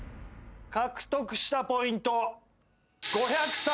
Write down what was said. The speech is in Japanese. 獲得したポイント